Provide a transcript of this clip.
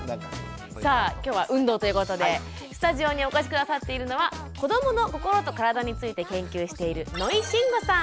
さあ今日は運動ということでスタジオにお越し下さっているのは子どもの心と体について研究している野井真吾さん。